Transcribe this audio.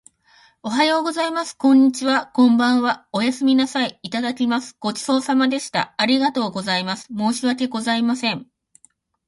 おはようございます。こんにちは。こんばんは。おやすみなさい。いただきます。ごちそうさまでした。ありがとうございます。申し訳ございません。